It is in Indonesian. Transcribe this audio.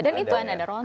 dan itu kan ada rontok